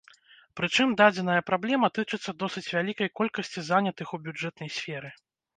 Прычым дадзеная праблема тычыцца досыць вялікай колькасці занятых у бюджэтнай сферы.